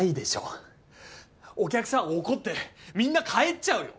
お客さん怒ってみんな帰っちゃうよ！